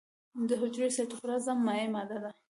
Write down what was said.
د حجرې سایتوپلازم مایع ماده ده